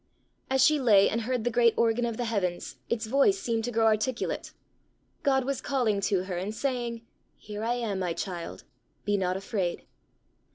As she lay and heard the great organ of the heavens, its voice seemed to grow articulate; God was calling to her, and saying, "Here I am, my child! be not afraid!"